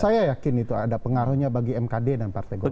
saya yakin itu ada pengaruhnya bagi mkd dan partai golkar